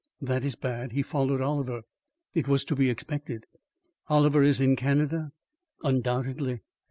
"That is bad. He followed Oliver." "It was to be expected." "Oliver is in Canada?" "Undoubtedly."